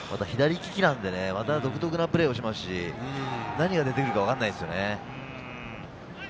左利きなので独特なプレーをしますし、何が出てくるか分からないですよね。